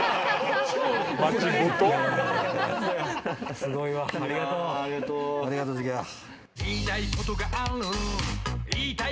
すごいわ、ありがとうシゲハ。